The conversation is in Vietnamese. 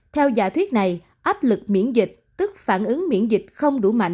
theo giả thuyết này áp lực miễn dịch tức phản ứng miễn dịch không đủ mạnh